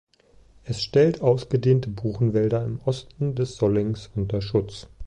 Es stellt ausgedehnte Buchenwälder im Osten des Sollings unter Schutz.